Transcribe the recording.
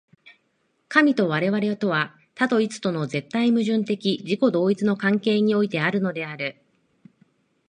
神と我々とは、多と一との絶対矛盾的自己同一の関係においてあるのである。